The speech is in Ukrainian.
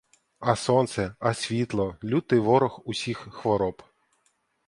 А сонце, а світло — лютий ворог усіх хвороб.